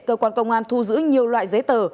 cơ quan công an thu giữ nhiều loại giấy tờ